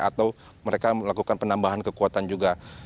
atau mereka melakukan penambahan kekuatan juga